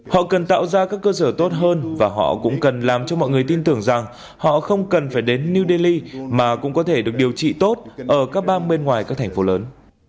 họ cần tạo ra các cơ sở tốt hơn và họ cũng cần làm cho mọi người tin tưởng rằng họ không cần phải đến new delhi mà cũng có thể được điều trị tốt ở các bang bên ngoài các thành phố lớn